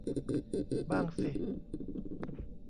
บ้างสิ